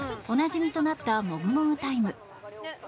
おなじみとなったもぐもぐタイム。